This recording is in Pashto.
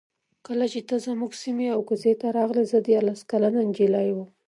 کله چې ته زموږ سیمې او کوڅې ته راغلې زه دیارلس کلنه نجلۍ وم.